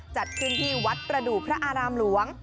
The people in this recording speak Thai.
จัดขึ้นที่วัดประดูกพระอารามหลวง